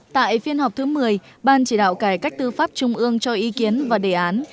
tại phiên họp thứ một mươi ban chỉ đạo cải cách tư pháp trung ương cho ý kiến và đề án